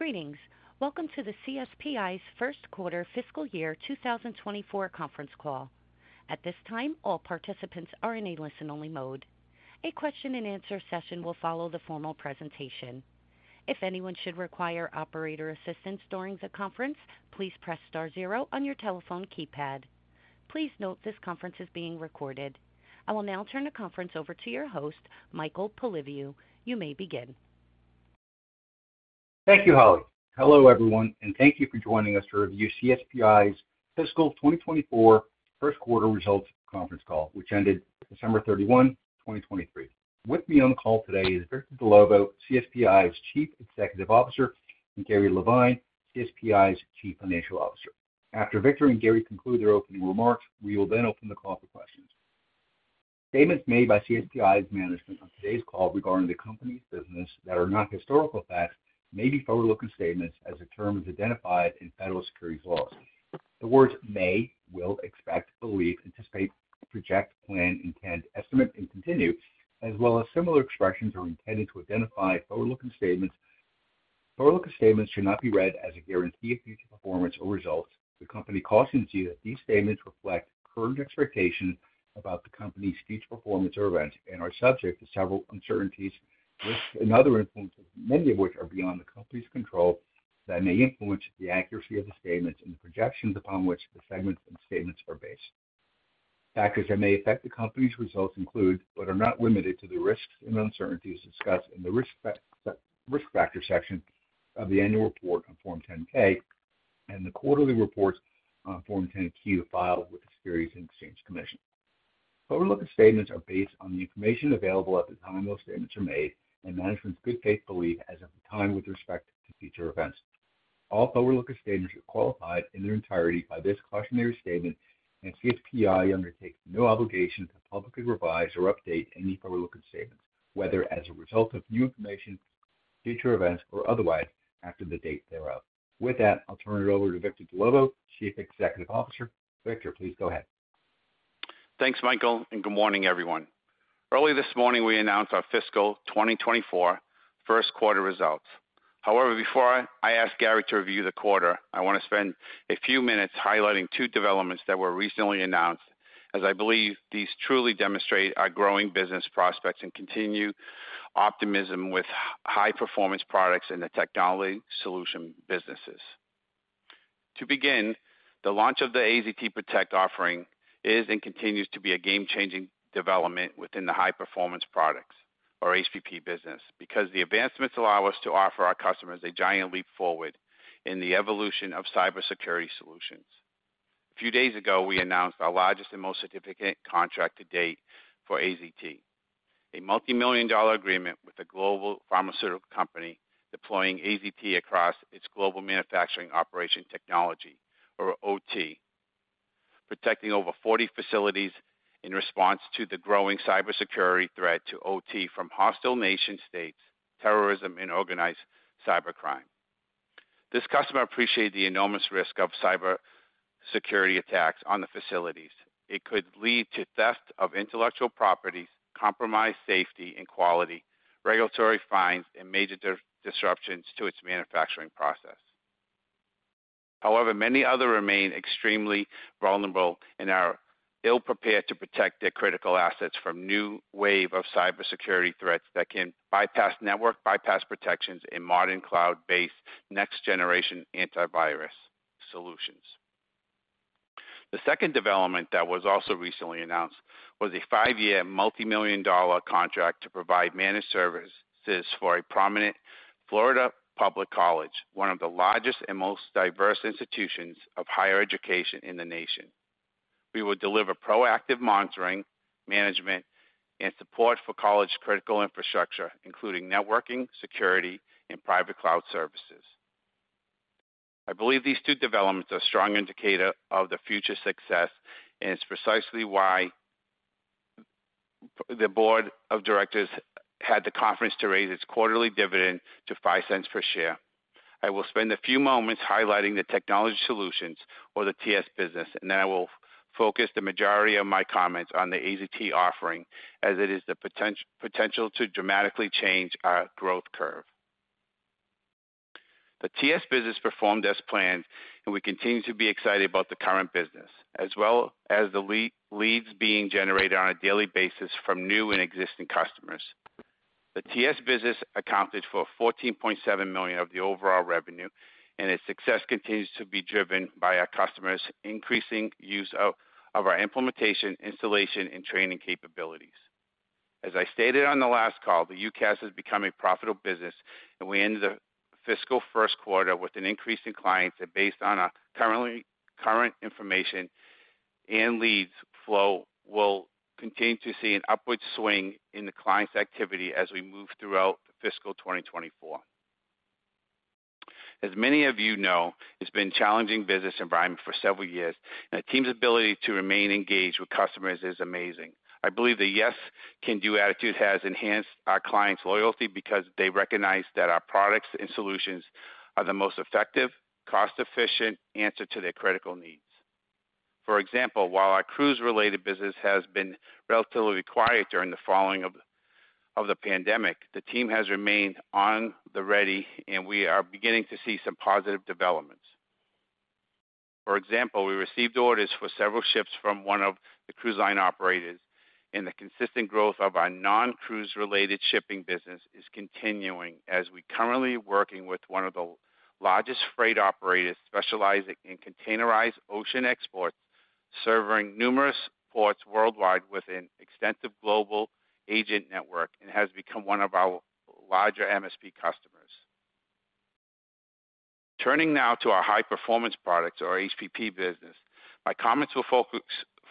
Greetings. Welcome to the CSPi's first quarter fiscal year 2024 conference call. At this time, all participants are in a listen-only mode. A question-and-answer session will follow the formal presentation. If anyone should require operator assistance during the conference, please press star zero on your telephone keypad. Please note, this conference is being recorded. I will now turn the conference over to your host, Michael Polyviou. You may begin. Thank you, Holly. Hello, everyone, and thank you for joining us to review CSPi's fiscal 2024 first quarter results conference call, which ended December 31, 2023. With me on the call today is Victor Dellovo, CSPi's Chief Executive Officer, and Gary Levine, CSPi's Chief Financial Officer. After Victor and Gary conclude their opening remarks, we will then open the call for questions. Statements made by CSPi's management on today's call regarding the company's business that are not historical facts may be forward-looking statements as the term is identified in federal securities laws. The words may, will, expect, believe, anticipate, project, plan, intend, estimate, and continue, as well as similar expressions, are intended to identify forward-looking statements. Forward-looking statements should not be read as a guarantee of future performance or results. The company cautions you that these statements reflect current expectations about the company's future performance or events and are subject to several uncertainties, risks and other influences, many of which are beyond the company's control, that may influence the accuracy of the statements and the projections upon which the segments and statements are based. Factors that may affect the company's results include, but are not limited to, the risks and uncertainties discussed in the Risk Factor section of the annual report on Form 10-K and the quarterly reports on Form 10-Q filed with the Securities and Exchange Commission. Forward-looking statements are based on the information available at the time those statements are made and management's good faith belief as of the time with respect to future events. All forward-looking statements are qualified in their entirety by this cautionary statement, and CSPi undertakes no obligation to publicly revise or update any forward-looking statements, whether as a result of new information, future events, or otherwise, after the date thereof. With that, I'll turn it over to Victor Dellovo, Chief Executive Officer. Victor, please go ahead. Thanks, Michael, and good morning, everyone. Early this morning, we announced our fiscal 2024 first quarter results. However, before I ask Gary to review the quarter, I want to spend a few minutes highlighting two developments that were recently announced, as I believe these truly demonstrate our growing business prospects and continued optimism with high-performance products in the technology solution businesses. To begin, the launch of the AZT PROTECT offering is and continues to be a game-changing development within the high-performance products or HPP business, because the advancements allow us to offer our customers a giant leap forward in the evolution of cybersecurity solutions. A few days ago, we announced our largest and most significant contract to date for AZT, a $multi-million-dollar agreement with a global pharmaceutical company deploying AZT across its global manufacturing operation technology, or OT, protecting over 40 facilities in response to the growing cybersecurity threat to OT from hostile nation states, terrorism, and organized cybercrime. This customer appreciates the enormous risk of cybersecurity attacks on the facilities. It could lead to theft of intellectual properties, compromised safety and quality, regulatory fines, and major disruptions to its manufacturing process. However, many others remain extremely vulnerable and are ill-prepared to protect their critical assets from new wave of cybersecurity threats that can bypass network, bypass protections in modern, cloud-based, next-generation antivirus solutions. The second development that was also recently announced was a five-year, multimillion-dollar contract to provide managed services for a prominent Florida public college, one of the largest and most diverse institutions of higher education in the nation. We will deliver proactive monitoring, management, and support for college critical infrastructure, including networking, security, and private cloud services. I believe these two developments are a strong indicator of the future success, and it's precisely why the board of directors had the confidence to raise its quarterly dividend to $0.05 per share. I will spend a few moments highlighting the technology solutions or the TS business, and then I will focus the majority of my comments on the AZT offering as it is the potential to dramatically change our growth curve. The TS business performed as planned, and we continue to be excited about the current business as well as the lead-leads being generated on a daily basis from new and existing customers. The TS business accounted for $14.7 million of the overall revenue, and its success continues to be driven by our customers' increasing use of, of our implementation, installation, and training capabilities. As I stated on the last call, the UCaaS has become a profitable business, and we ended the fiscal first quarter with an increase in clients and based on our currently... current information and leads flow, will continue to see an upward swing in the clients' activity as we move throughout fiscal 2024. As many of you know, it's been a challenging business environment for several years, and the team's ability to remain engaged with customers is amazing. I believe the yes, can do attitude has enhanced our clients' loyalty because they recognize that our products and solutions are the most effective, cost-efficient answer to their critical needs. For example, while our cruise-related business has been relatively quiet during the following of the pandemic, the team has remained on the ready, and we are beginning to see some positive developments. For example, we received orders for several ships from one of the cruise line operators, and the consistent growth of our non-cruise related shipping business is continuing as we currently working with one of the largest freight operators specializing in containerized ocean exports, serving numerous ports worldwide with an extensive global agent network and has become one of our larger MSP customers. Turning now to our high-performance products or HPP business, my comments will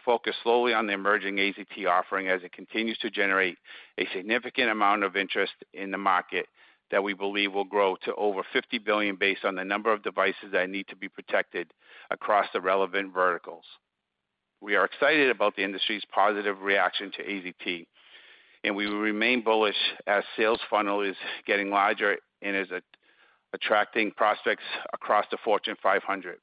focus solely on the emerging AZT offering as it continues to generate a significant amount of interest in the market that we believe will grow to over $50 billion, based on the number of devices that need to be protected across the relevant verticals. We are excited about the industry's positive reaction to AZT, and we will remain bullish as sales funnel is getting larger and is attracting prospects across the Fortune 500.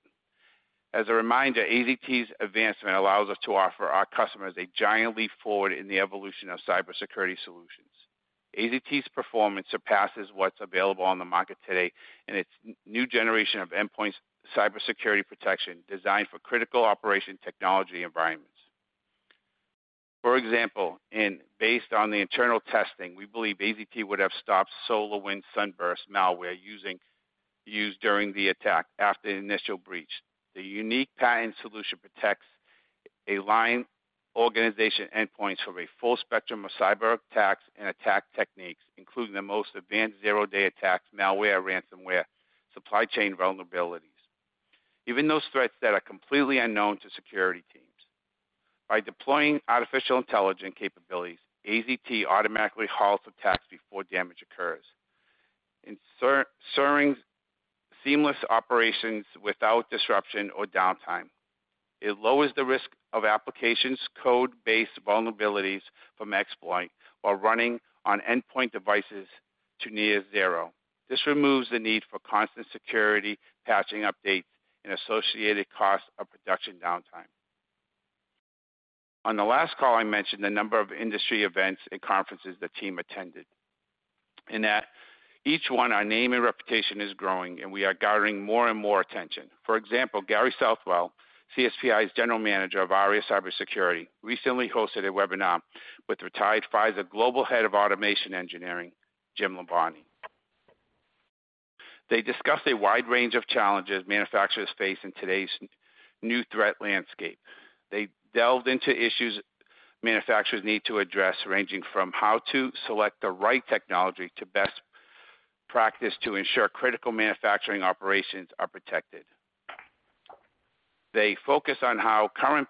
As a reminder, AZT's advancement allows us to offer our customers a giant leap forward in the evolution of cybersecurity solutions. AZT's performance surpasses what's available on the market today, and its new generation of endpoint cybersecurity protection, designed for critical operational technology environments. For example, based on the internal testing, we believe AZT would have stopped SolarWinds SUNBURST malware using during the attack after the initial breach. The unique patent solution protects a line organization endpoints from a full spectrum of cyberattacks and attack techniques, including the most advanced zero-day attacks, malware, ransomware, supply chain vulnerabilities, even those threats that are completely unknown to security teams. By deploying artificial intelligence capabilities, AZT automatically halts attacks before damage occurs. Ensuring seamless operations without disruption or downtime. It lowers the risk of applications, code-based vulnerabilities from exploit while running on endpoint devices to near zero. This removes the need for constant security, patching, updates, and associated costs of production downtime. On the last call, I mentioned a number of industry events and conferences the team attended, and at each one, our name and reputation is growing, and we are garnering more and more attention. For example, Gary Southwell, CSPi's General Manager of ARIA Cybersecurity, recently hosted a webinar with retired Pfizer Global Head of Automation Engineering, Jim LaBonty. They discussed a wide range of challenges manufacturers face in today's new threat landscape. They delved into issues manufacturers need to address, ranging from how to select the right technology to best practice to ensure critical manufacturing operations are protected. They focus on how current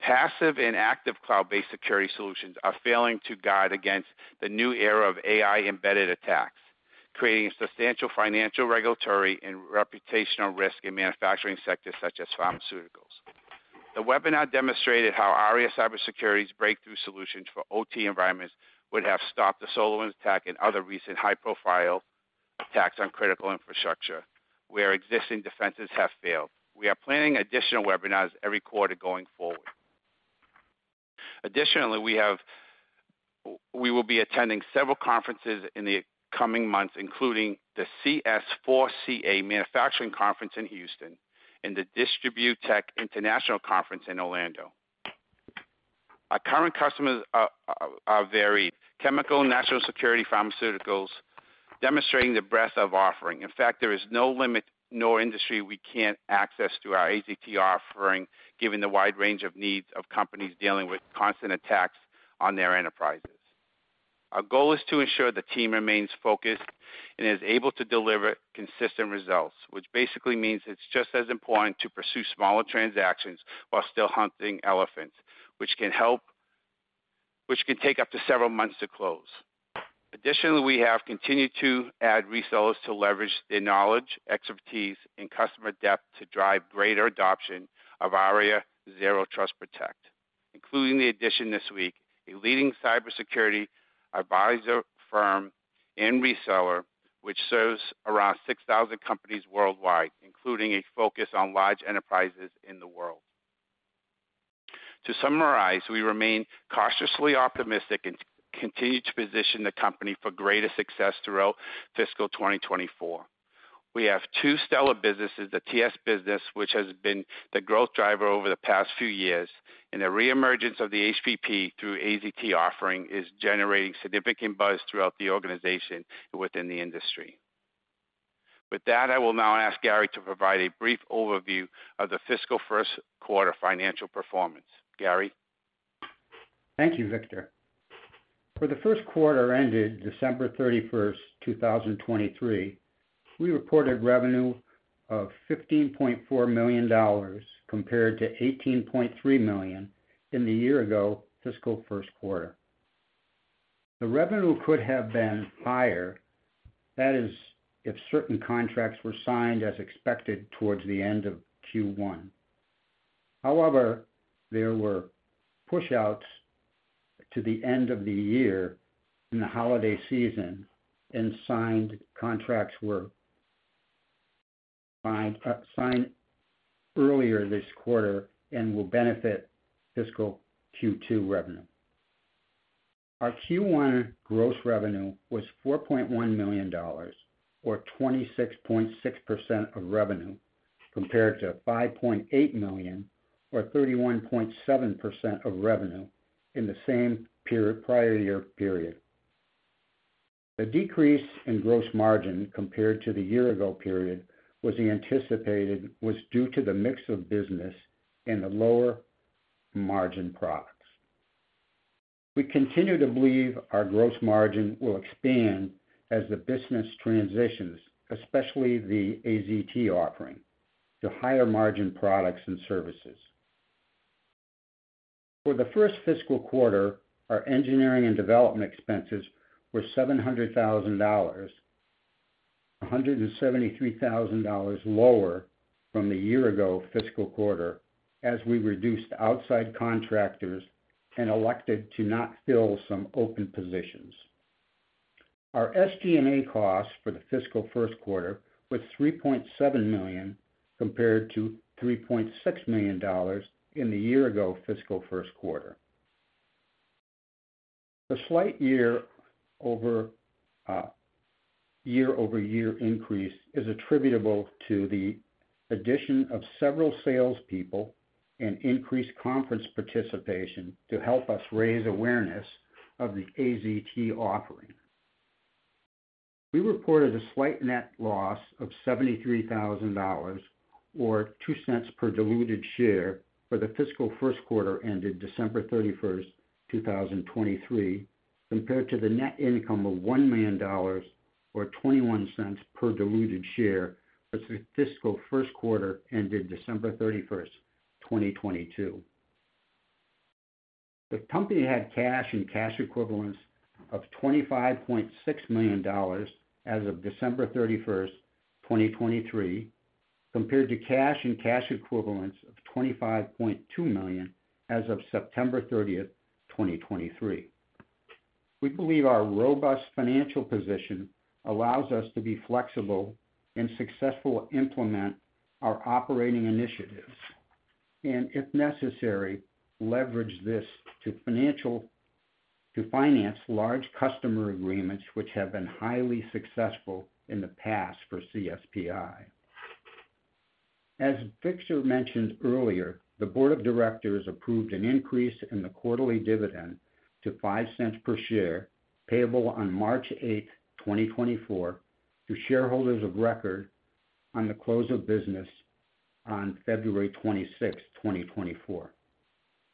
passive and active cloud-based security solutions are failing to guard against the new era of AI-embedded attacks, creating substantial financial, regulatory, and reputational risk in manufacturing sectors such as pharmaceuticals. The webinar demonstrated how ARIA Cybersecurity's breakthrough solutions for OT environments would have stopped the SolarWinds attack and other recent high-profile attacks on critical infrastructure, where existing defenses have failed. We are planning additional webinars every quarter going forward. Additionally, we will be attending several conferences in the coming months, including the CS4CA Manufacturing Conference in Houston and the DistribuTECH International Conference in Orlando. Our current customers are varied: chemical, national security, pharmaceuticals, demonstrating the breadth of offering. In fact, there is no limit, no industry we can't access through our AZT offering, given the wide range of needs of companies dealing with constant attacks on their enterprises. Our goal is to ensure the team remains focused and is able to deliver consistent results, which basically means it's just as important to pursue smaller transactions while still hunting elephants, which can help... Which can take up to several months to close. Additionally, we have continued to add resellers to leverage their knowledge, expertise, and customer depth to drive greater adoption of ARIA Zero Trust PROTECT, including the addition this week, a leading cybersecurity advisor firm and reseller, which serves around 6,000 companies worldwide, including a focus on large enterprises in the world. To summarize, we remain cautiously optimistic and continue to position the company for greater success throughout fiscal 2024. We have two stellar businesses, the TS business, which has been the growth driver over the past few years, and the reemergence of the HPP through AZT offering is generating significant buzz throughout the organization and within the industry. With that, I will now ask Gary to provide a brief overview of the fiscal first quarter financial performance. Gary? Thank you, Victor. For the first quarter ended December thirty-first, two thousand and twenty-three, we reported revenue of $15.4 million compared to $18.3 million in the year-ago fiscal first quarter. The revenue could have been higher, that is, if certain contracts were signed as expected towards the end of Q1. However, there were pushouts to the end of the year in the holiday season, and signed contracts were signed earlier this quarter and will benefit fiscal Q2 revenue. Our Q1 gross revenue was $4.1 million, or 26.6% of revenue, compared to $5.8 million, or 31.7% of revenue, in the same period, prior year period. The decrease in gross margin compared to the year-ago period was anticipated, was due to the mix of business and the lower margin products. We continue to believe our gross margin will expand as the business transitions, especially the AZT offering, to higher margin products and services. For the first fiscal quarter, our engineering and development expenses were $700,000, $173,000 lower from the year ago fiscal quarter, as we reduced outside contractors and elected to not fill some open positions. Our SG&A costs for the fiscal first quarter was $3.7 million, compared to $3.6 million in the year ago fiscal first quarter. The slight year-over-year increase is attributable to the addition of several salespeople and increased conference participation to help us raise awareness of the AZT offering. We reported a slight net loss of $73,000 or $0.02 per diluted share for the fiscal first quarter ended December 31, 2023, compared to the net income of $1 million, or $0.21 per diluted share, for the fiscal first quarter ended December 31, 2022. The company had cash and cash equivalents of $25.6 million as of December 31, 2023, compared to cash and cash equivalents of $25.2 million as of September 30, 2023. We believe our robust financial position allows us to be flexible and successfully implement our operating initiatives, and if necessary, leverage this to financial- to finance large customer agreements, which have been highly successful in the past for CSPi. As Victor mentioned earlier, the board of directors approved an increase in the quarterly dividend to $0.05 per share, payable on March eighth, 2024, to shareholders of record on the close of business on February twenty-sixth, 2024.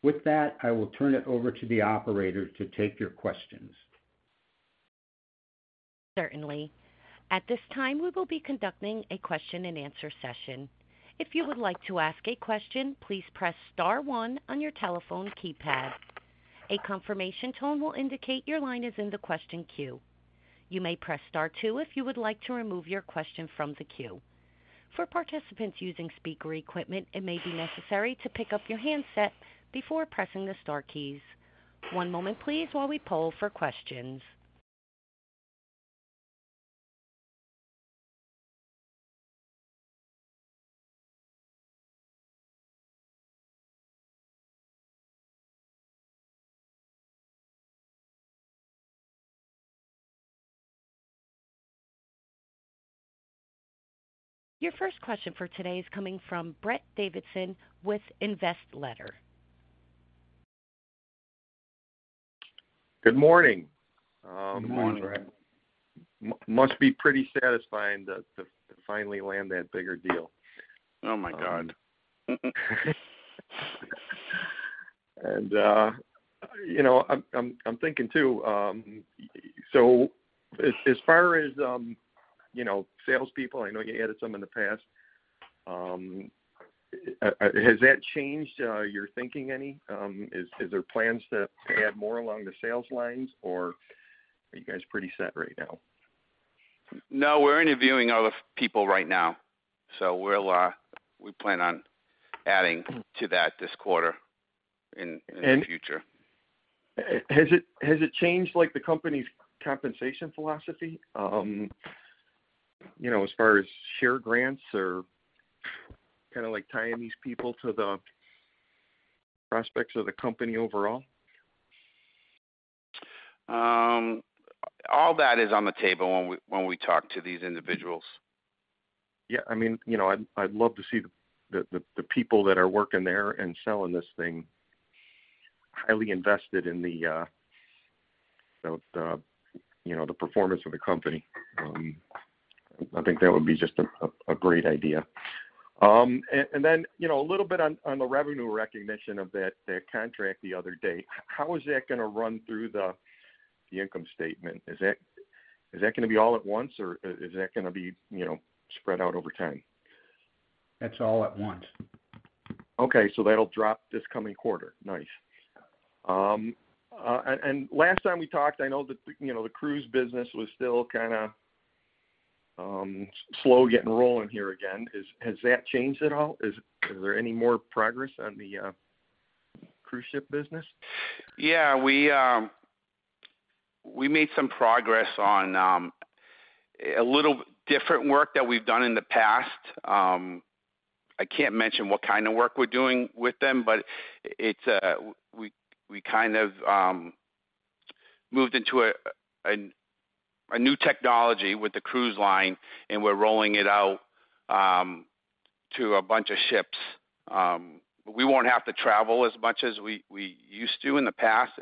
With that, I will turn it over to the operator to take your questions. Certainly. At this time, we will be conducting a question-and-answer session. If you would like to ask a question, please press star one on your telephone keypad. A confirmation tone will indicate your line is in the question queue. You may press Star two if you would like to remove your question from the queue. For participants using speaker equipment, it may be necessary to pick up your handset before pressing the star keys. One moment please, while we poll for questions. Your first question for today is coming from Brett Davidson with InvestLetter. Good morning. Good morning, Brett. Must be pretty satisfying to finally land that bigger deal. Oh, my God! And, you know, I'm thinking, too, so as far as, you know, salespeople, I know you added some in the past, has that changed your thinking any? Is there plans to add more along the sales lines, or are you guys pretty set right now? No, we're interviewing other people right now, so we'll plan on adding to that this quarter, in the future. Has it, has it changed, like, the company's compensation philosophy, you know, as far as share grants or kind of, like, tying these people to the prospects of the company overall? All that is on the table when we talk to these individuals. Yeah, I mean, you know, I'd love to see the people that are working there and selling this thing highly invested in the, you know, the performance of the company. I think that would be just a great idea. And then, you know, a little bit on the revenue recognition of that contract the other day. How is that gonna run through the income statement? Is that gonna be all at once, or is that gonna be, you know, spread out over time? That's all at once. Okay, so that'll drop this coming quarter. Nice. And last time we talked, I know that, you know, the cruise business was still kind of slow getting rolling here again. Has that changed at all? Is there any more progress on the cruise ship business? Yeah, we made some progress on a little different work that we've done in the past. I can't mention what kind of work we're doing with them, but it's, we kind of moved into a new technology with the cruise line, and we're rolling it out to a bunch of ships. We won't have to travel as much as we used to in the past.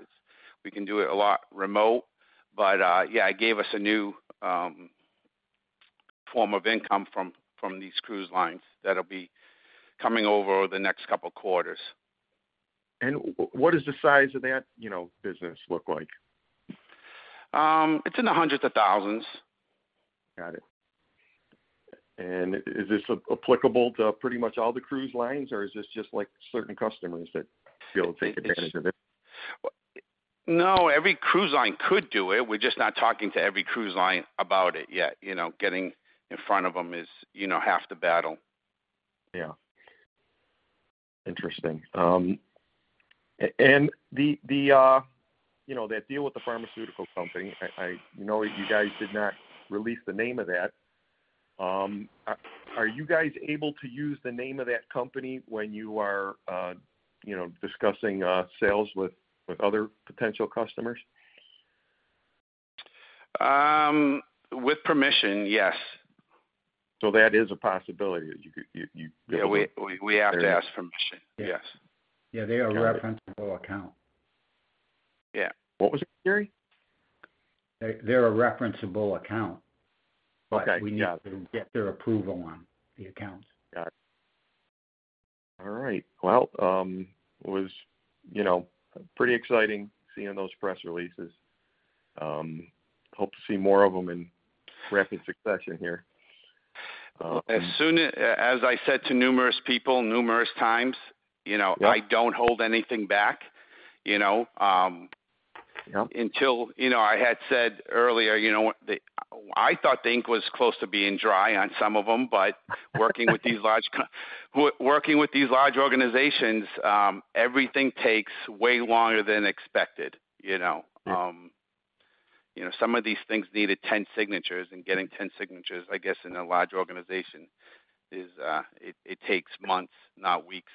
We can do it a lot remote, but yeah, it gave us a new form of income from these cruise lines that'll be coming over the next couple of quarters. What is the size of that, you know, business look like? It's in the hundreds of thousands. Got it. And is this applicable to pretty much all the cruise lines, or is this just like certain customers that still take advantage of it? No, every cruise line could do it. We're just not talking to every cruise line about it yet. You know, getting in front of them is, you know, half the battle. Yeah. Interesting. And the, you know, that deal with the pharmaceutical company, I know you guys did not release the name of that. Are you guys able to use the name of that company when you are, you know, discussing sales with other potential customers? With permission, yes. So that is a possibility that you could Yeah, we have to ask permission. Yes. Yeah, they are a referenceable account. Yeah. What was it, Gary? They're a referenceable account. Okay. But we need to get their approval on the accounts. Got it. All right. Well, it was, you know, pretty exciting seeing those press releases. Hope to see more of them in rapid succession here. As I said to numerous people, numerous times, you know- Yeah... I don't hold anything back, you know- Yeah ... until, you know, I had said earlier, you know what? I thought the ink was close to being dry on some of them, but working with these large organizations, everything takes way longer than expected, you know? Yeah. You know, some of these things needed 10 signatures, and getting 10 signatures, I guess, in a large organization is, it takes months, not weeks.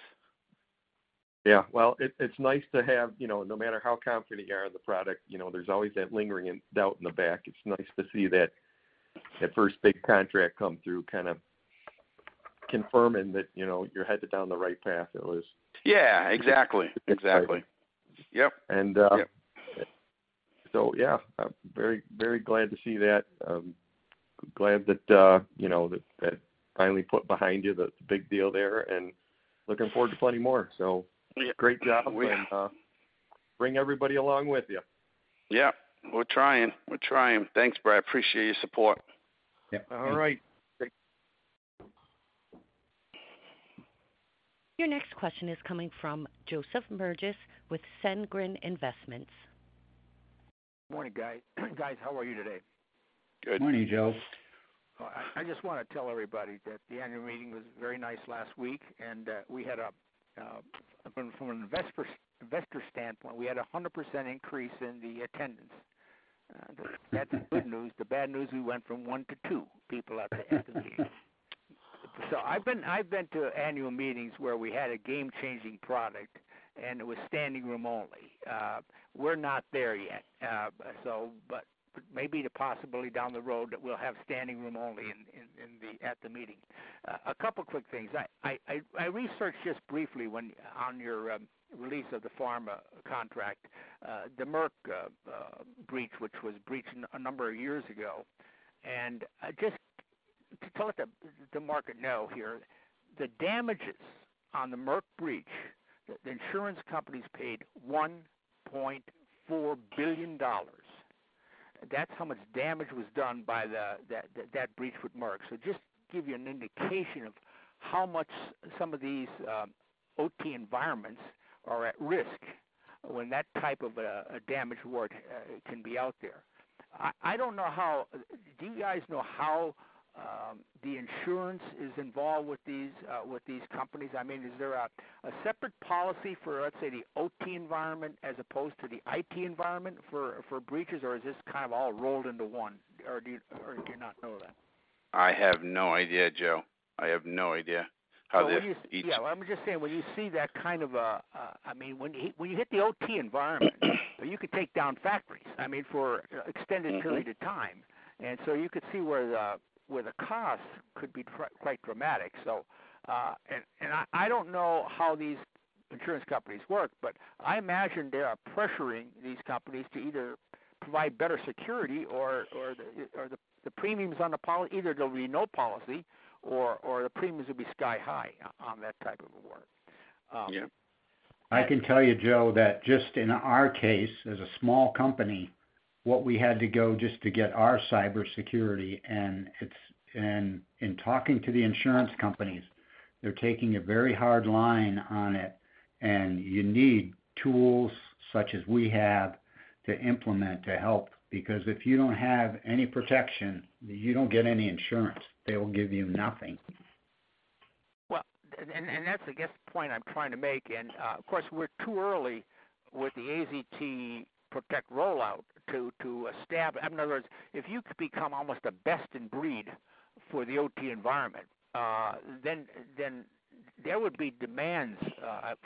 Yeah. Well, it's nice to have, you know, no matter how confident you are in the product, you know, there's always that lingering doubt in the back. It's nice to see that first big contract come through, kind of confirming that, you know, you're headed down the right path at least. Yeah, exactly. Exactly. Yep. And, uh- Yep. So, yeah, I'm very, very glad to see that. Glad that, you know, that finally put behind you, the big deal there, and looking forward to plenty more. So- Yeah. Great job, and bring everybody along with you. Yeah, we're trying. We're trying. Thanks, Brad. I appreciate your support. Yeah. All right. Thank you. Your next question is coming from Joseph Nerges with Segren Investments. Morning, guys. Guys, how are you today? Good. Morning, Joe. I just wanna tell everybody that the annual meeting was very nice last week, and we had a from an investor standpoint, we had a 100% increase in the attendance. That's the good news. The bad news, we went from one to two people at the end of the year. So I've been to annual meetings where we had a game-changing product, and it was standing room only. We're not there yet, so... But maybe the possibility down the road that we'll have standing room only at the meeting. A couple quick things. I researched just briefly when on your release of the pharma contract, the Merck breach, which was breached a number of years ago. Just to let the market know here, the damages on the Merck breach, the insurance companies paid $1.4 billion. That's how much damage was done by that breach with Merck. So just to give you an indication of how much some of these OT environments are at risk when that type of a damage award can be out there. I don't know how... Do you guys know how the insurance is involved with these companies? I mean, is there a separate policy for, let's say, the OT environment as opposed to the IT environment for breaches, or is this kind of all rolled into one, or do you not know that? I have no idea, Joe. I have no idea how this each- Yeah, I'm just saying, when you see that kind of, I mean, when you hit the OT environment—you could take down factories, I mean, for extended period of time. Mm-hmm. And so you could see where the costs could be quite, quite dramatic. So, I don't know how these insurance companies work, but I imagine they are pressuring these companies to either provide better security or the premiums on the policy either there'll be no policy or the premiums will be sky high on that type of award. Yeah. I can tell you, Joe, that just in our case, as a small company, what we had to go just to get our cybersecurity, and it's... and in talking to the insurance companies-... they're taking a very hard line on it, and you need tools such as we have to implement to help, because if you don't have any protection, you don't get any insurance. They will give you nothing. Well, that's, I guess, the point I'm trying to make. And, of course, we're too early with the AZT Protect rollout to establish- In other words, if you could become almost a best in breed for the OT environment, then there would be demands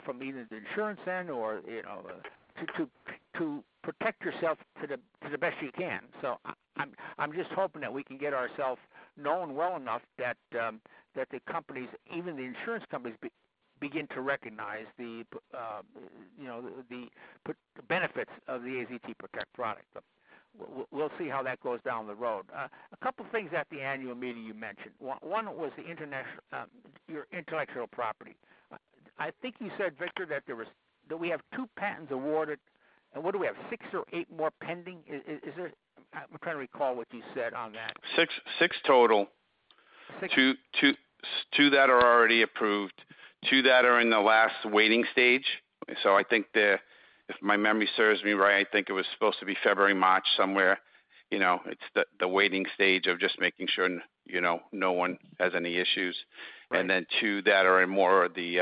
from either the insurance end or, you know, to protect yourself to the best you can. So I'm just hoping that we can get ourselves known well enough that the companies, even the insurance companies, begin to recognize the, you know, the benefits of the AZT Protect product. But we'll see how that goes down the road. A couple things at the annual meeting you mentioned. One was the international-- your intellectual property. I think you said, Victor, that there was, that we have two patents awarded, and what do we have? Six or eight more pending. Is, is, is this...? I'm trying to recall what you said on that. Six, six total. Six. Two, two, two that are already approved, two that are in the last waiting stage. So I think the... If my memory serves me right, I think it was supposed to be February, March, somewhere. You know, it's the, the waiting stage of just making sure, you know, no one has any issues. Right. And then two that are in more of the,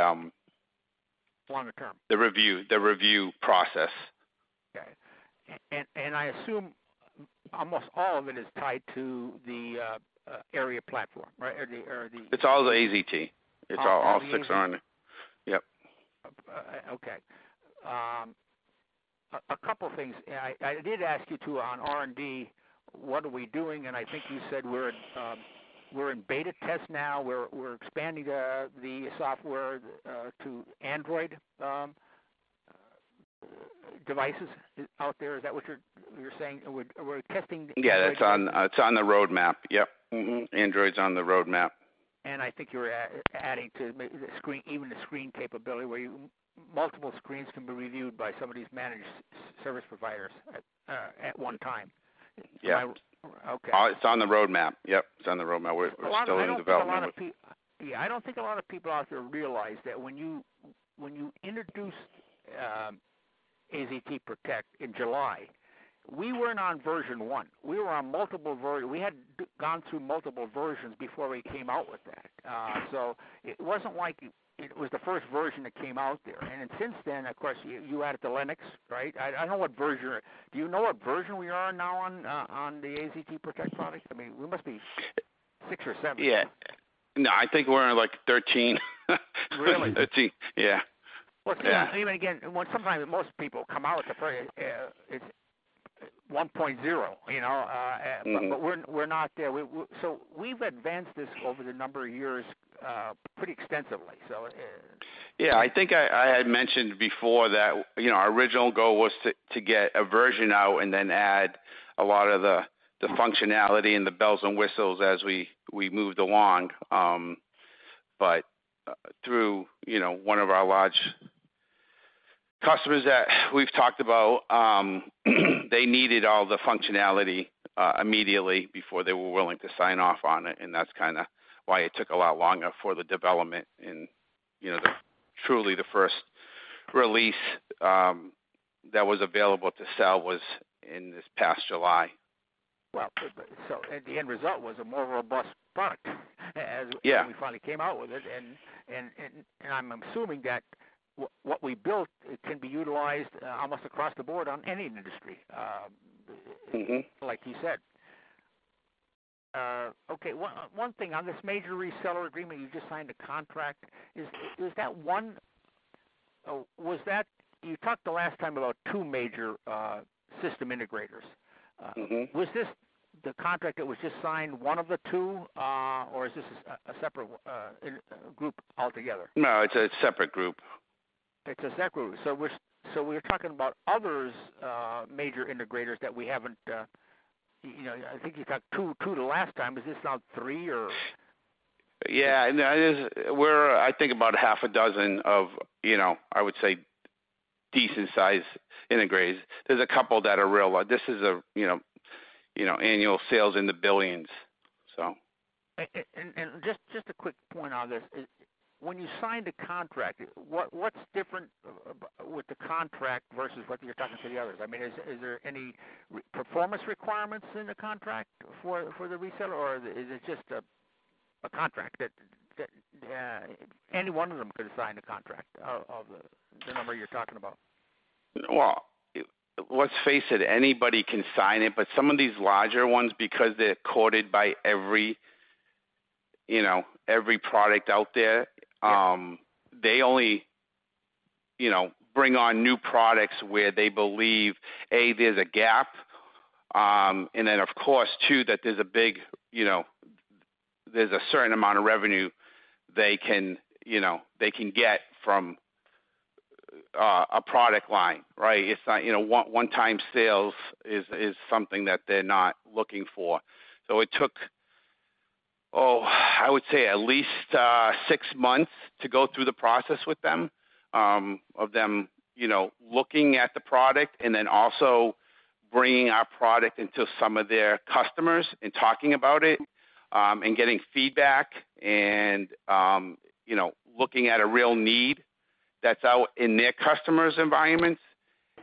Longer term. the review process. Okay. And I assume almost all of it is tied to the ARIA platform, right? Or the It's all the AZT. All the AZ- It's all, all six are on it. Yep. Okay. A couple things. I did ask you, too, on R&D, what are we doing? And I think you said we're in beta test now. We're expanding the software to Android devices out there. Is that what you're saying? And we're testing the- Yeah, it's on the roadmap. Yep. Mm-hmm. Android's on the roadmap. I think you were adding to the screen, even the screen capability, where you, multiple screens can be reviewed by some of these managed service providers at, at one time. Yeah. Okay. It's on the roadmap. Yep, it's on the roadmap. We're still in development. Yeah, I don't think a lot of people out there realize that when you, when you introduced AZT PROTECT in July, we weren't on version one. We were on multiple version. We had gone through multiple versions before we came out with that. So it wasn't like it was the first version that came out there. And since then, of course, you, you added the Linux, right? I, I know what version... Do you know what version we are now on, on the AZT PROTECT product? I mean, we must be six or seven. Yeah. No, I think we're on, like, 13. Really? Yeah. Well, even again, sometimes most people come out with the, it's 1.0, you know, Mm-hmm. But we're not there. So we've advanced this over the number of years pretty extensively, so... Yeah. I think I had mentioned before that, you know, our original goal was to get a version out and then add a lot of the functionality and the bells and whistles as we moved along. But through, you know, one of our large customers that we've talked about, they needed all the functionality immediately before they were willing to sign off on it, and that's kind of why it took a lot longer for the development. You know, truly, the first release that was available to sell was in this past July. Well, the end result was a more robust product. Yeah -as we finally came out with it. And I'm assuming that what we built, it can be utilized almost across the board on any industry. Mm-hmm like you said. Okay, one thing on this major reseller agreement, you just signed a contract. Is that one...? Was that-- You talked the last time about two major system integrators. Mm-hmm. Was this, the contract that was just signed, one of the two, or is this a separate group altogether? No, it's a separate group. It's a separate group. So we're, so we're talking about others, major integrators that we haven't... You know, I think you talked two, two the last time. Is this now three, or? Yeah, and that is, we're, I think, about 6 of, you know, I would say, decent-sized integrators. There's a couple that are real large. This is a, you know, you know, annual sales in the billions, so. Just a quick point on this. When you sign the contract, what's different with the contract versus what you're talking to the others? I mean, is there any performance requirements in the contract for the reseller, or is it just a contract that any one of them could sign a contract of the number you're talking about? Well, let's face it, anybody can sign it, but some of these larger ones, because they're courted by every, you know, every product out there. Yep... they only, you know, bring on new products where they believe, A, there's a gap, and then, of course, two, that there's a big, you know, there's a certain amount of revenue they can, you know, they can get from, a product line, right? It's not, you know, one-time sales is something that they're not looking for. So it took, oh, I would say at least, six months to go through the process with them.... of them, you know, looking at the product and then also bringing our product into some of their customers and talking about it, and getting feedback and, you know, looking at a real need that's out in their customer's environments.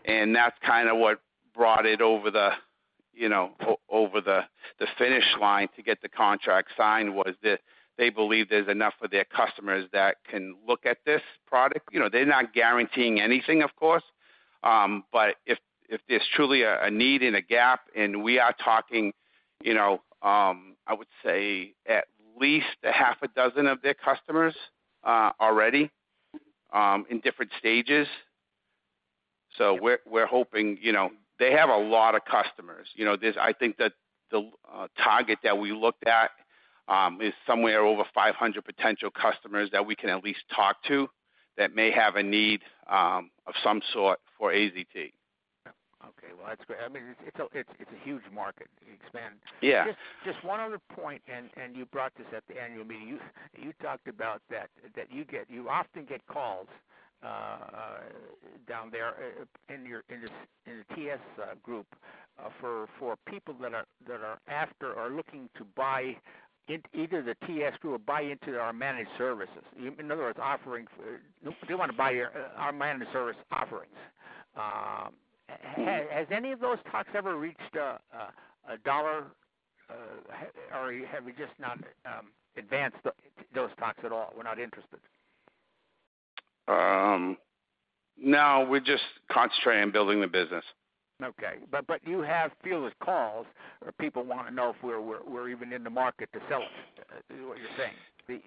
And that's kind of what brought it over the, you know, over the finish line to get the contract signed, was that they believe there's enough of their customers that can look at this product. You know, they're not guaranteeing anything, of course. But if there's truly a need and a gap, and we are talking, you know, I would say at least half a dozen of their customers already in different stages. So we're hoping... You know, they have a lot of customers. You know, there's I think that the target that we looked at is somewhere over 500 potential customers that we can at least talk to, that may have a need of some sort for AZT. Yeah. Okay, well, that's great. I mean, it's a huge market, it expand. Yeah. Just one other point, and you brought this at the annual meeting. You talked about that you often get calls down there in your TS group for people that are after or looking to buy it, either the TS group or buy into our managed services. In other words, they wanna buy our managed service offerings. Has any of those talks ever reached a dollar or have we just not advanced those talks at all? We're not interested. No, we're just concentrating on building the business. Okay. But you have fieldless calls, or people wanna know if we're even in the market to sell, is what you're saying?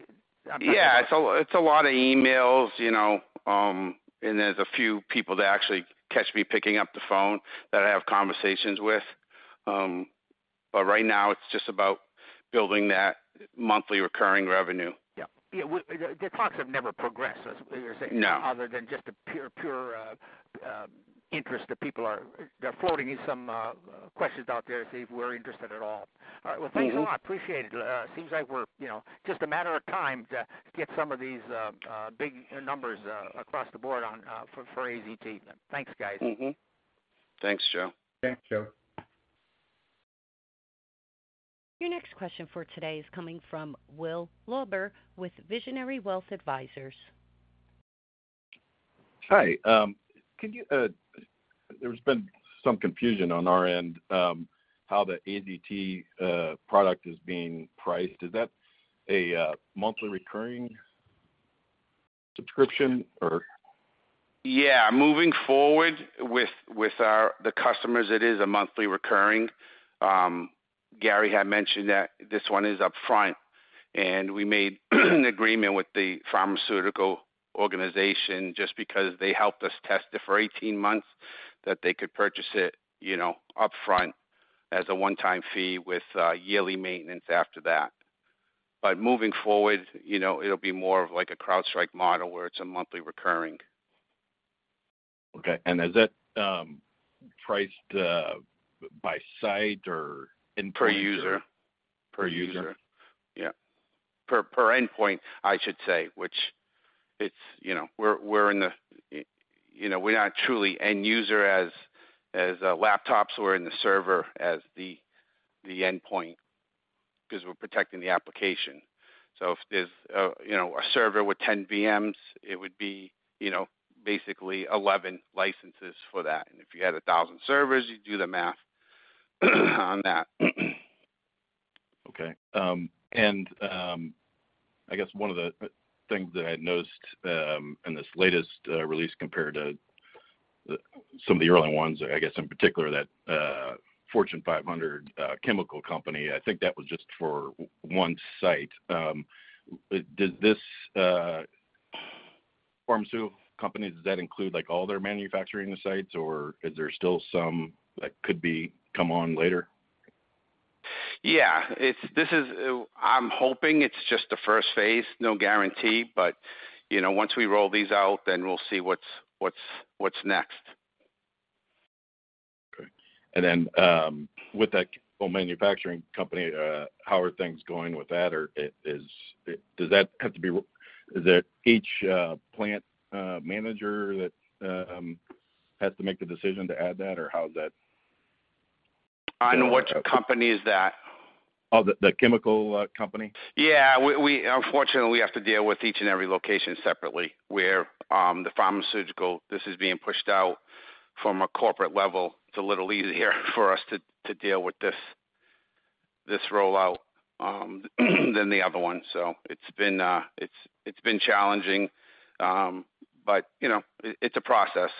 Yeah, it's a lot of emails, you know, and there's a few people that actually catch me picking up the phone that I have conversations with. But right now it's just about building that monthly recurring revenue. Yeah. Yeah, the talks have never progressed, as you're saying? No. Other than just a pure interest that people are... They're floating in some questions out there to see if we're interested at all. Mm-hmm. All right. Well, thank you. I appreciate it. Seems like we're, you know, just a matter of time to get some of these big numbers across the board on for AZT. Thanks, guys. Mm-hmm. Thanks, Joe. Thanks, Joe. Your next question for today is coming from Will Lauber, with Visionary Wealth Advisors. Hi, could you... There's been some confusion on our end, how the AZT product is being priced. Is that a monthly recurring subscription, or? Yeah, moving forward with our customers, it is a monthly recurring. Gary had mentioned that this one is upfront, and we made an agreement with the pharmaceutical organization, just because they helped us test it for 18 months, that they could purchase it, you know, upfront as a one-time fee with yearly maintenance after that. But moving forward, you know, it'll be more of like a CrowdStrike model, where it's a monthly recurring. Okay. And is that priced by site or end point? Per user. Per user? Yeah. Per endpoint, I should say, which it's, you know, we're, you know, we're not truly end user as laptops or in the server as the endpoint, because we're protecting the application. So if there's, you know, a server with 10 VMs, it would be, you know, basically 11 licenses for that. And if you had 1,000 servers, you do the math on that. Okay. And, I guess one of the things that I noticed in this latest release compared to some of the early ones, I guess, in particular, that Fortune 500 chemical company, I think that was just for one site. Does this pharmaceutical company, does that include, like, all their manufacturing sites, or is there still some that could come on later? Yeah, it's... I'm hoping it's just the first phase, no guarantee, but, you know, once we roll these out, then we'll see what's next. Okay. And then, with that whole manufacturing company, how are things going with that? Or is it, does that have to be each plant manager that has to make the decision to add that, or how is that? On which company is that? Oh, the chemical company. Yeah, unfortunately, we have to deal with each and every location separately. Where the pharmaceutical, this is being pushed out from a corporate level, it's a little easier for us to deal with this rollout than the other one. So it's been, it's been challenging, but, you know, it's a process.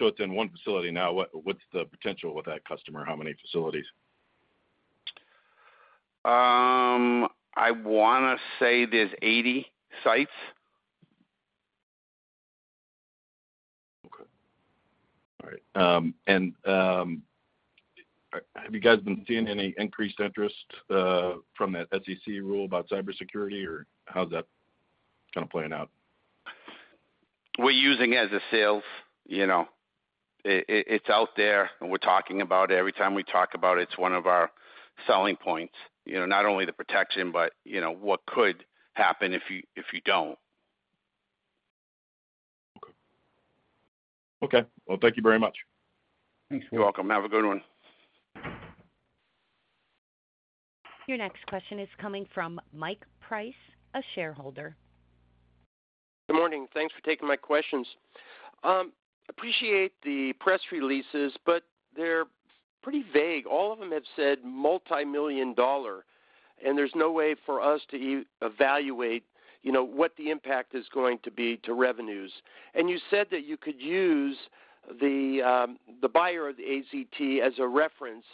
It's in one facility now. What's the potential with that customer? How many facilities? I wanna say there's 80 sites. Okay. All right. And, have you guys been seeing any increased interest from that SEC rule about cybersecurity, or how's that kind of playing out?... We're using it as a sales, you know, it, it's out there, and we're talking about it. Every time we talk about it, it's one of our selling points, you know, not only the protection, but, you know, what could happen if you don't. Okay. Okay, well, thank you very much. You're welcome. Have a good one. Your next question is coming from Mike Price, a shareholder. Good morning. Thanks for taking my questions. Appreciate the press releases, but they're pretty vague. All of them have said $multi-million-dollar, and there's no way for us to evaluate, you know, what the impact is going to be to revenues. And you said that you could use the, the buyer of the AZT as a reference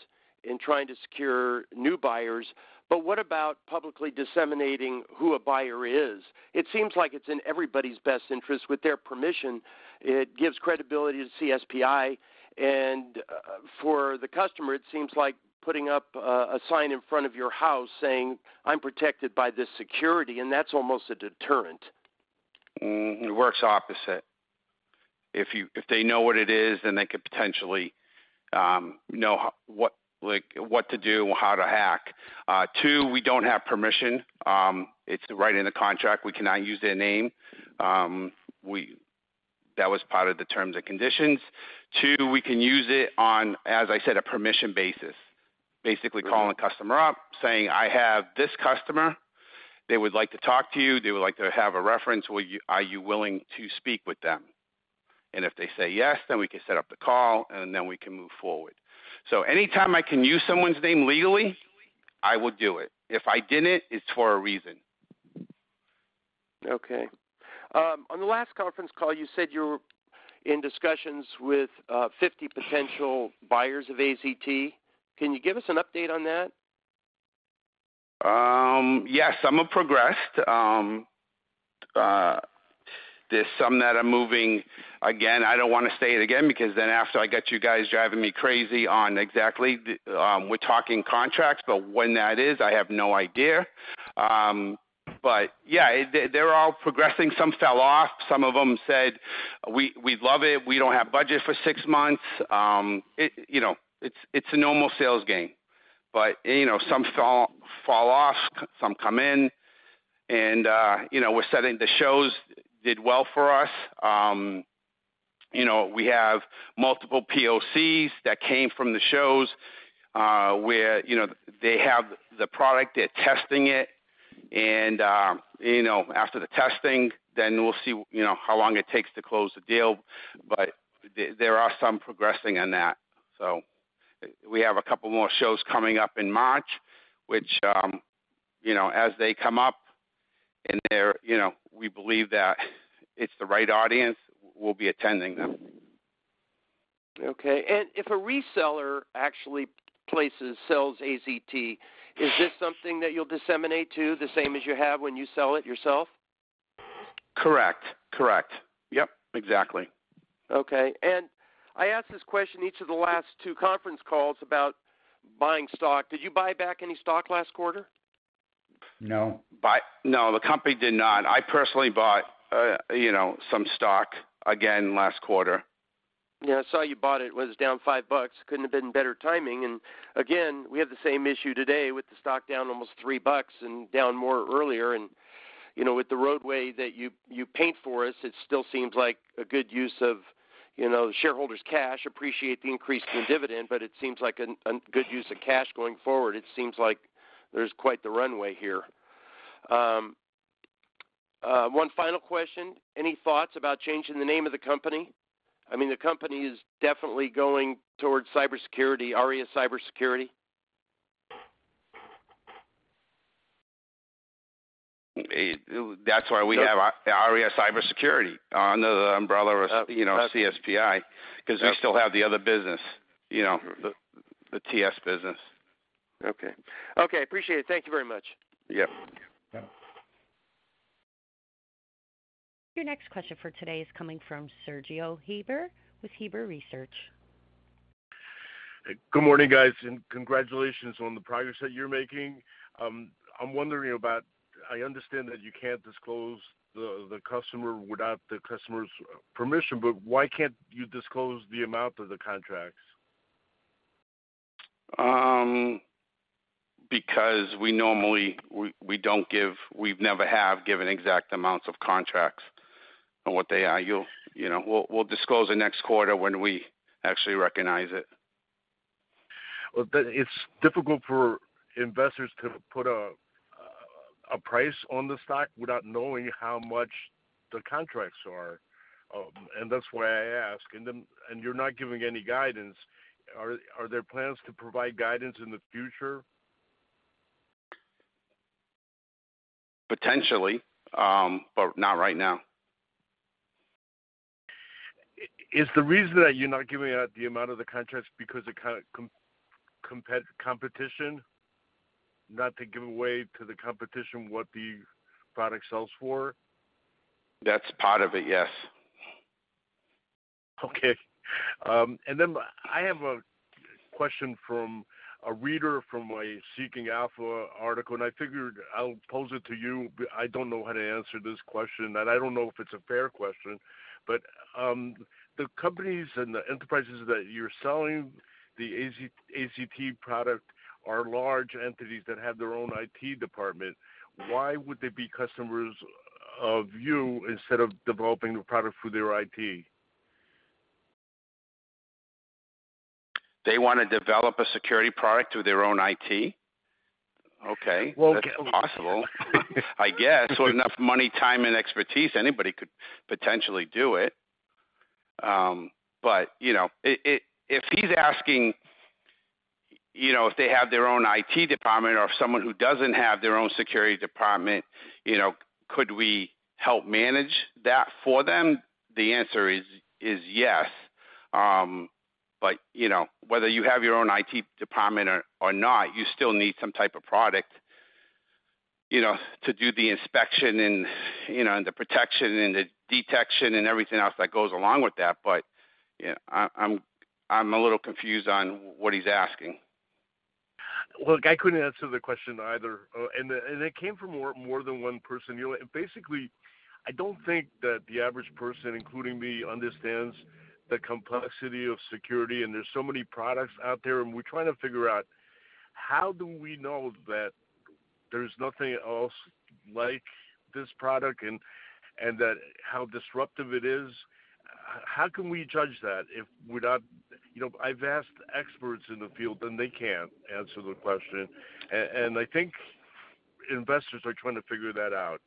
in trying to secure new buyers, but what about publicly disseminating who a buyer is? It seems like it's in everybody's best interest. With their permission, it gives credibility to CSPi, and for the customer, it seems like putting up a sign in front of your house saying, "I'm protected by this security," and that's almost a deterrent. It works opposite. If they know what it is, then they could potentially know what, like, what to do or how to hack. Two, we don't have permission. It's right in the contract. We cannot use their name. That was part of the terms and conditions. Two, we can use it on, as I said, a permission basis. Basically, calling the customer up, saying, "I have this customer. They would like to talk to you. They would like to have a reference. Are you willing to speak with them?" And if they say yes, then we can set up the call, and then we can move forward. So anytime I can use someone's name legally, I would do it. If I didn't, it's for a reason. Okay. On the last conference call, you said you were in discussions with 50 potential buyers of AZT. Can you give us an update on that? Yes, some have progressed. There's some that are moving. Again, I don't want to say it again, because then after I get you guys driving me crazy on exactly, we're talking contracts, but when that is, I have no idea. But yeah, they're all progressing. Some fell off. Some of them said, "We love it. We don't have budget for six months." You know, it's a normal sales game. But you know, some fall off, some come in, and you know, we're setting the shows did well for us. You know, we have multiple POCs that came from the shows, where you know, they have the product, they're testing it, and you know, after the testing, then we'll see you know, how long it takes to close the deal. But there are some progressing on that. So we have a couple more shows coming up in March, which, you know, as they come up and they're, you know, we believe that it's the right audience, we'll be attending them. Okay, and if a reseller actually places, sells AZT, is this something that you'll disseminate, too, the same as you have when you sell it yourself? Correct. Correct. Yep, exactly. Okay, and I asked this question in each of the last two conference calls about buying stock. Did you buy back any stock last quarter? No, the company did not. I personally bought, you know, some stock again last quarter. Yeah, I saw you bought it was down $5. Couldn't have been better timing. And again, we have the same issue today with the stock down almost $3 and down more earlier. And, you know, with the road map that you paint for us, it still seems like a good use of, you know, the shareholders' cash. Appreciate the increase in dividend, but it seems like a good use of cash going forward. It seems like there's quite the runway here. One final question: Any thoughts about changing the name of the company? I mean, the company is definitely going towards cybersecurity, ARIA Cybersecurity. That's why we have ARIA Cybersecurity under the umbrella of, you know, CSPi, because we still have the other business, you know, the TS business. Okay. Okay, appreciate it. Thank you very much. Yep. Your next question for today is coming from Sergio Heiber with Heiber Research. Good morning, guys, and congratulations on the progress that you're making. I'm wondering about... I understand that you can't disclose the customer without the customer's permission, but why can't you disclose the amount of the contracts? Because we normally, we don't give—we've never have given exact amounts of contracts and what they are. You'll, you know... We'll disclose it next quarter when we actually recognize it. Well, but it's difficult for investors to put a price on the stock without knowing how much the contracts are, and that's why I ask. And then, you're not giving any guidance. Are there plans to provide guidance in the future? Potentially, but not right now. Is the reason that you're not giving out the amount of the contracts because of competition? Not to give away to the competition what the product sells for? That's part of it, yes.... Okay. And then I have a question from a reader from my Seeking Alpha article, and I figured I'll pose it to you. I don't know how to answer this question, and I don't know if it's a fair question, but, the companies and the enterprises that you're selling the AZT product are large entities that have their own IT department. Why would they be customers of you instead of developing the product for their IT? They want to develop a security product through their own IT? Okay, well, that's possible. I guess, with enough money, time, and expertise, anybody could potentially do it. But, you know, it if he's asking, you know, if they have their own IT department or someone who doesn't have their own security department, you know, could we help manage that for them? The answer is yes. But, you know, whether you have your own IT department or not, you still need some type of product, you know, to do the inspection and, you know, the protection and the detection and everything else that goes along with that. But, yeah, I'm a little confused on what he's asking. Look, I couldn't answer the question either, and it came from more than one person. You know what? Basically, I don't think that the average person, including me, understands the complexity of security, and there's so many products out there, and we're trying to figure out, how do we know that there's nothing else like this product and that how disruptive it is? How can we judge that if we're not... You know, I've asked experts in the field, and they can't answer the question, and I think investors are trying to figure that out.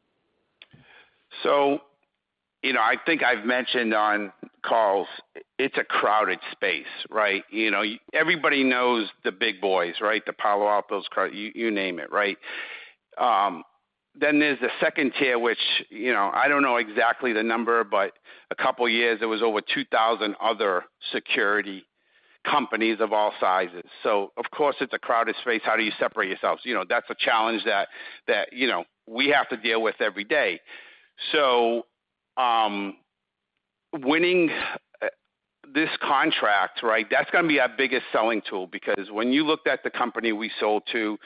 So, you know, I think I've mentioned on calls, it's a crowded space, right? You know, everybody knows the big boys, right? The Palo Altos, you, you name it, right? Then there's the second tier, which, you know, I don't know exactly the number, but a couple of years it was over 2,000 other security companies of all sizes. So, of course, it's a crowded space. How do you separate yourselves? You know, that's a challenge that, that, you know, we have to deal with every day. So, winning this contract, right, that's going to be our biggest selling tool, because when you looked at the company we sold to,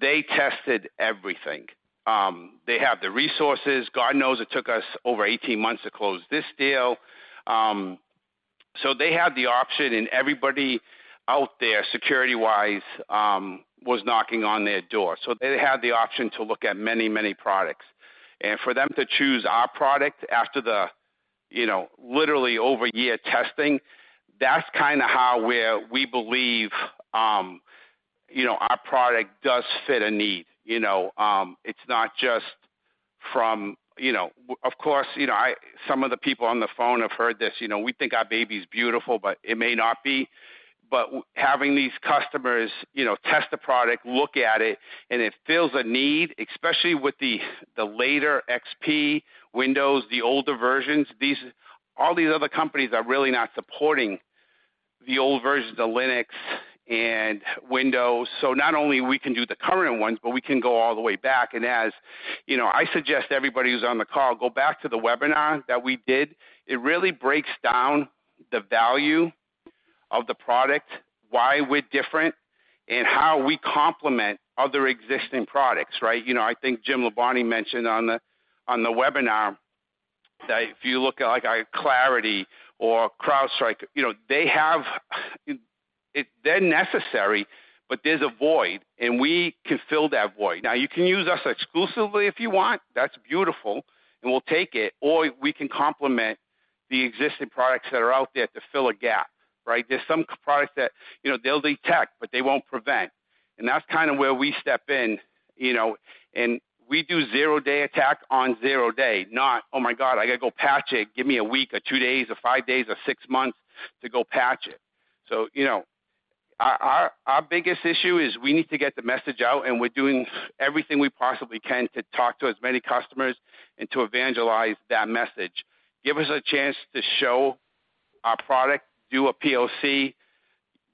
they tested everything. They have the resources. God knows, it took us over 18 months to close this deal. So they had the option, and everybody out there, security-wise, was knocking on their door. So they had the option to look at many, many products. And for them to choose our product after the, you know, literally over a year testing, that's kind of how we believe, you know, our product does fit a need. You know, it's not just from, you know... Of course, you know, I, some of the people on the phone have heard this, you know, we think our baby is beautiful, but it may not be. But having these customers, you know, test the product, look at it, and it fills a need, especially with the later XP Windows, the older versions, all these other companies are really not supporting the old versions of Linux and Windows. So not only we can do the current ones, but we can go all the way back. And as, you know, I suggest everybody who's on the call, go back to the webinar that we did. It really breaks down the value of the product, why we're different, and how we complement other existing products, right? You know, I think Jim LaBonty mentioned on the, on the webinar, that if you look at, like, our Claroty or CrowdStrike, you know, they have, it... They're necessary, but there's a void, and we can fill that void. Now, you can use us exclusively if you want. That's beautiful, and we'll take it, or we can complement the existing products that are out there to fill a gap, right? There's some products that, you know, they'll detect, but they won't prevent, and that's kind of where we step in, you know, and we do zero-day attack on zero day, not, "Oh my God, I got to go patch it. Give me a week, or 2 days, or 5 days, or 6 months to go patch it." So, you know, our, our biggest issue is we need to get the message out, and we're doing everything we possibly can to talk to as many customers and to evangelize that message. Give us a chance to show our product, do a POC,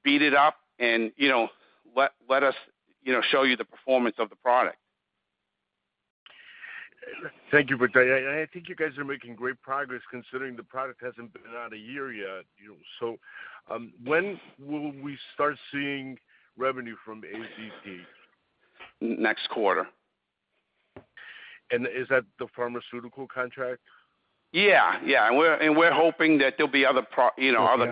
beat it up, and, you know, let, let us, you know, show you the performance of the product. Thank you for that, and I think you guys are making great progress, considering the product hasn't been out a year yet, you know. So, when will we start seeing revenue from AZT? Next quarter. Is that the pharmaceutical contract? Yeah, yeah. And we're hoping that there'll be other, you know, other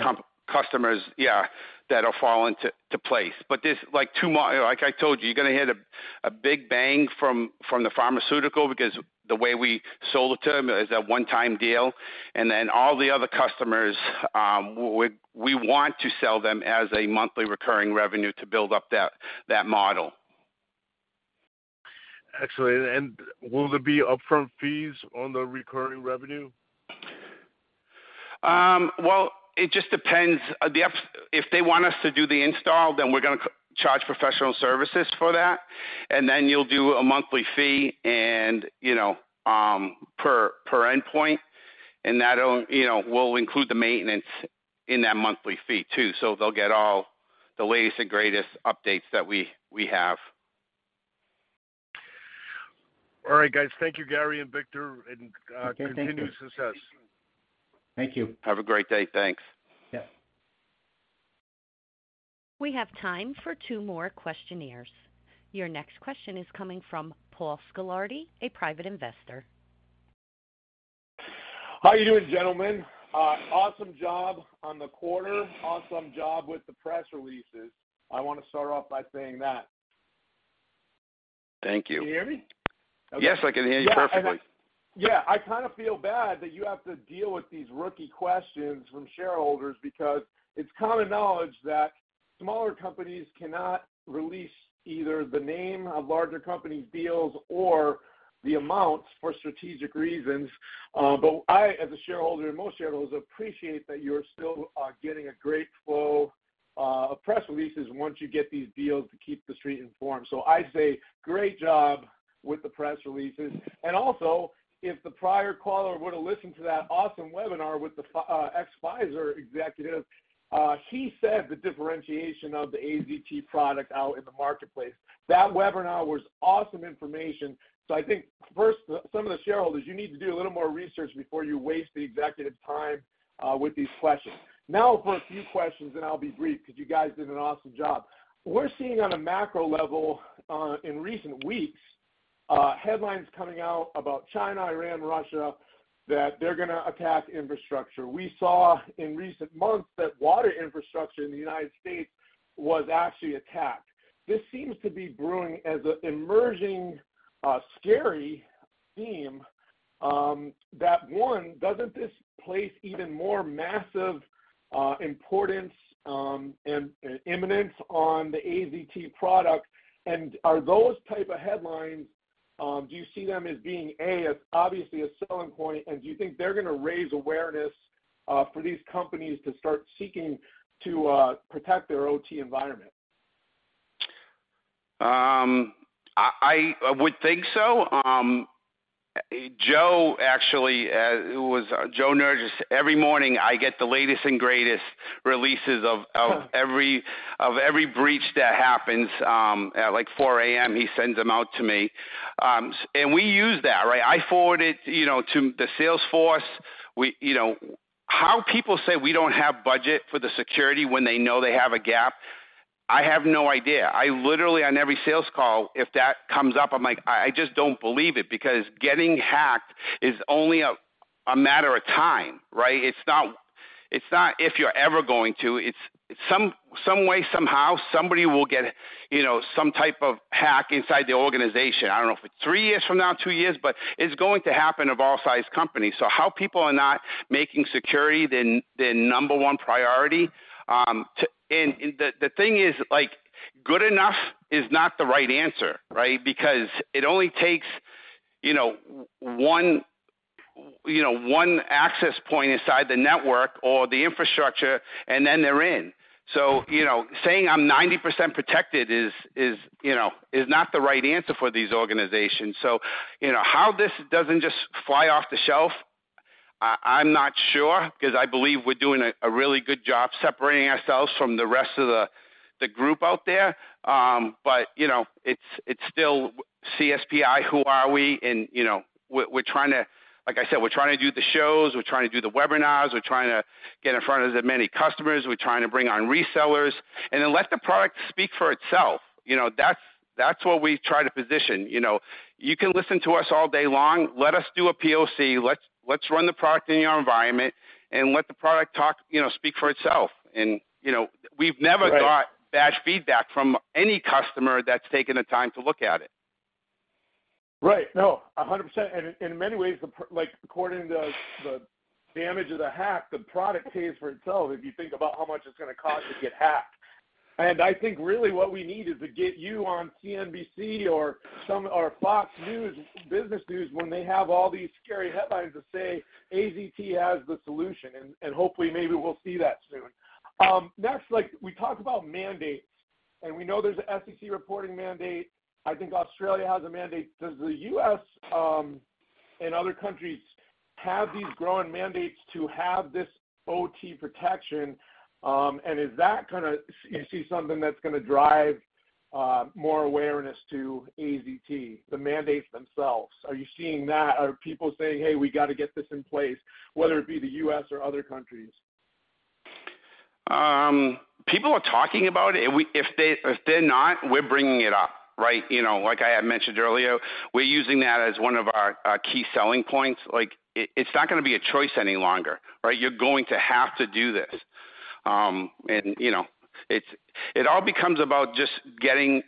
customers, yeah, that will fall into place. But this, like, two more, like I told you, you're going to hit a big bang from the pharmaceutical because the way we sold it to them is a one-time deal, and then all the other customers, we want to sell them as a monthly recurring revenue to build up that model. Excellent. And will there be upfront fees on the recurring revenue? Well, it just depends. If they want us to do the install, then we're going to charge professional services for that, and then you'll do a monthly fee and, you know, per endpoint, and that'll, you know, we'll include the maintenance in that monthly fee, too. So they'll get all the latest and greatest updates that we have. ... All right, guys. Thank you, Gary and Victor, and continue success. Thank you. Have a great day. Thanks. Yeah. We have time for two more questioners. Your next question is coming from Paul Scolardi, a private investor. How are you doing, gentlemen? Awesome job on the quarter. Awesome job with the press releases. I want to start off by saying that. Thank you. Can you hear me? Yes, I can hear you perfectly. Yeah, I kind of feel bad that you have to deal with these rookie questions from shareholders, because it's common knowledge that smaller companies cannot release either the name of larger company deals or the amounts for strategic reasons. But I, as a shareholder, and most shareholders, appreciate that you're still getting a great flow of press releases once you get these deals to keep the street informed. So I say great job with the press releases. And also, if the prior caller would have listened to that awesome webinar with the ex-Pfizer executive, he said the differentiation of the AZT product out in the marketplace, that webinar was awesome information. So I think, first, some of the shareholders, you need to do a little more research before you waste the executive time with these questions. Now, for a few questions, and I'll be brief, because you guys did an awesome job. We're seeing on a macro level, in recent weeks, headlines coming out about China, Iran, Russia, that they're going to attack infrastructure. We saw in recent months that water infrastructure in the United States was actually attacked. This seems to be brewing as an emerging, scary theme, that, one, doesn't this place even more massive, importance, and imminence on the AZT product? And are those type of headlines, do you see them as being, A, as obviously a selling point, and do you think they're going to raise awareness, for these companies to start seeking to, protect their OT environment? I would think so. Joe, actually, who was Joe Nerges, every morning, I get the latest and greatest releases of every breach that happens, at like 4 A.M., he sends them out to me. And we use that, right? I forward it, you know, to the sales force. We, you know, how people say we don't have budget for the security when they know they have a gap, I have no idea. I literally, on every sales call, if that comes up, I'm like, I just don't believe it, because getting hacked is only a matter of time, right? It's not if you're ever going to. It's some way, somehow, somebody will get, you know, some type of hack inside the organization. I don't know if it's 3 years from now, 2 years, but it's going to happen of all size companies. So how people are not making security their number one priority. And the thing is, like, good enough is not the right answer, right? Because it only takes you know one access point inside the network or the infrastructure, and then they're in. So you know saying I'm 90% protected is you know is not the right answer for these organizations. So you know how this doesn't just fly off the shelf, I'm not sure, because I believe we're doing a really good job separating ourselves from the rest of the group out there. But you know it's still CSPi, who are we? You know, we're, we're trying to like I said, we're trying to do the shows, we're trying to do the webinars, we're trying to get in front of as many customers, we're trying to bring on resellers, and then let the product speak for itself. You know, that's, that's what we try to position. You know, you can listen to us all day long. Let us do a POC, let's, let's run the product in your environment and let the product talk, you know, speak for itself. You know, we've never got- Right. Bad feedback from any customer that's taken the time to look at it. Right. No, 100%. And in many ways, like, according to the damage of the hack, the product pays for itself if you think about how much it's going to cost to get hacked. And I think really what we need is to get you on CNBC or Fox News, business news, when they have all these scary headlines to say, AZT has the solution, and, and hopefully maybe we'll see that soon. Next, like, we talked about mandates, and we know there's an SEC reporting mandate. I think Australia has a mandate. Does the U.S., and other countries have these growing mandates to have this OT protection? And is that kind of you see something that's going to drive more awareness to AZT, the mandates themselves? Are you seeing that? Are people saying, "Hey, we got to get this in place," whether it be the U.S. or other countries? People are talking about it, and if they, if they're not, we're bringing it up, right? You know, like I had mentioned earlier, we're using that as one of our key selling points. Like, it, it's not going to be a choice any longer, right? You're going to have to do this. And, you know, it's all becomes about just getting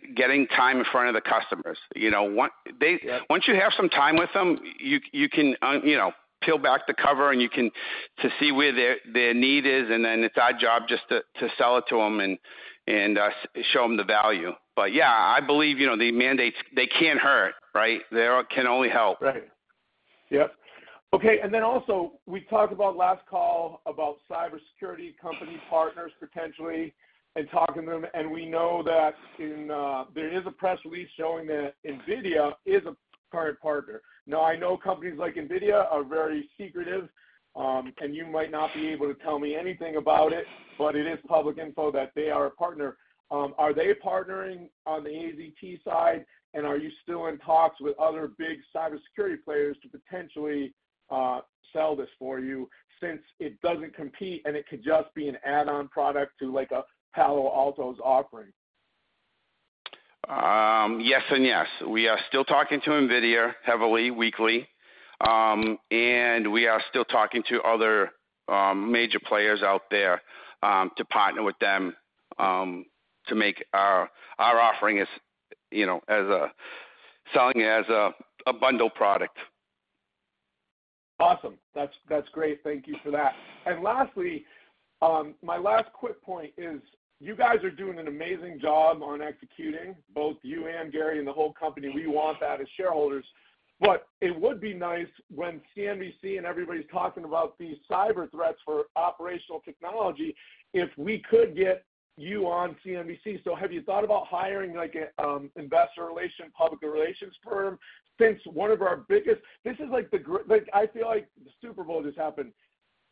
time in front of the customers. You know, one, they- Yeah. Once you have some time with them, you can, you know, peel back the cover and you can to see where their need is, and then it's our job just to sell it to them and show them the value. But yeah, I believe, you know, the mandates, they can't hurt, right? They can only help. Right. Yep. Okay, and then also, we talked about last call, about cybersecurity company partners, potentially, and talking to them, and we know that in, there is a press release showing that NVIDIA is a current partner. Now, I know companies like NVIDIA are very secretive, and you might not be able to tell me anything about it, but it is public info that they are a partner. Are they partnering on the AZT side, and are you still in talks with other big cybersecurity players to potentially, sell this for you, since it doesn't compete and it could just be an add-on product to, like, a Palo Alto's offering?... Yes and yes. We are still talking to NVIDIA heavily, weekly. And we are still talking to other major players out there to partner with them to make our, our offering as, you know, as a selling as a, a bundle product. Awesome. That's, that's great. Thank you for that. And lastly, my last quick point is, you guys are doing an amazing job on executing, both you and Gary and the whole company. We want that as shareholders, but it would be nice when CNBC and everybody's talking about these cyber threats for operational technology, if we could get you on CNBC. So have you thought about hiring, like, a investor relations, public relations firm? Since one of our biggest-- this is like the like, I feel like the Super Bowl just happened.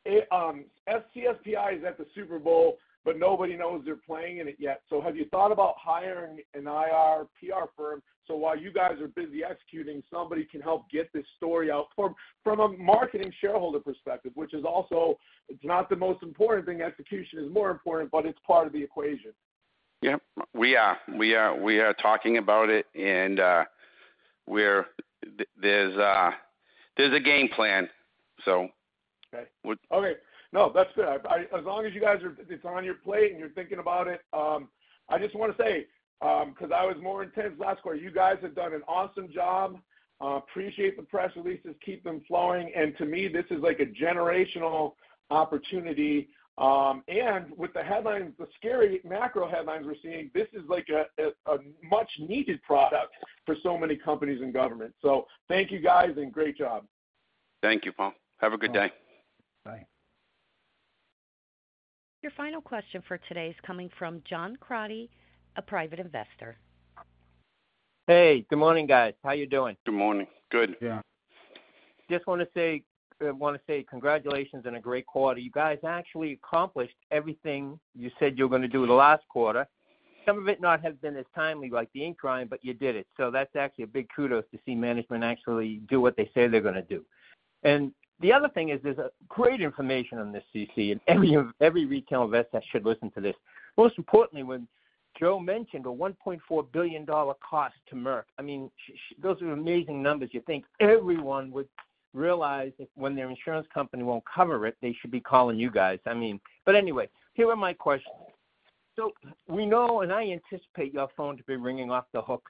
CSPi is at the Super Bowl, but nobody knows they're playing in it yet. So have you thought about hiring an IR, PR firm? So while you guys are busy executing, somebody can help get this story out from, from a marketing shareholder perspective, which is also, it's not the most important thing. Execution is more important, but it's part of the equation. Yep. We are talking about it, and, we're. There's a game plan, so. Okay. Okay. No, that's good. I, as long as you guys are, it's on your plate and you're thinking about it. I just wanna say, because I was more intense last quarter, you guys have done an awesome job. Appreciate the press releases, keep them flowing. And to me, this is like a generational opportunity. And with the headlines, the scary macro headlines we're seeing, this is like a much needed product for so many companies and governments. So thank you, guys, and great job. Thank you, Paul. Have a good day. Bye. Your final question for today is coming from John Crotty, a private investor. Hey, good morning, guys. How you doing? Good morning. Good. Yeah. Just wanna say, wanna say congratulations on a great quarter. You guys actually accomplished everything you said you were gonna do the last quarter. Some of it not have been as timely, like the Ingram, but you did it. So that's actually a big kudos to see management actually do what they say they're gonna do. And the other thing is, there's a great information on this, CC, and every retail investor should listen to this. Most importantly, when Joe mentioned a $1.4 billion cost to Merck, I mean, those are amazing numbers. You think everyone would realize that when their insurance company won't cover it, they should be calling you guys. I mean... But anyway, here are my questions. So we know, and I anticipate your phones have been ringing off the hook,